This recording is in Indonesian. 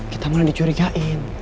kita malah dicurigain